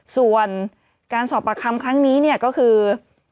ส่วนการสอบปากคำครั้งนี้ก็คือ